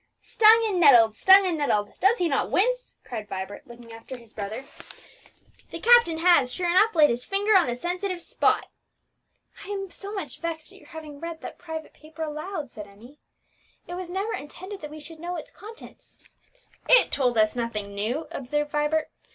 "Stung and nettled! stung and nettled! does he not wince!" cried Vibert, looking after his brother. "The captain has, sure enough, laid his finger on the sensitive spot!" "I am so much vexed at your having read that private paper aloud," said Emmie; "it was never intended that we should know its contents." "It told us nothing new," observed Vibert.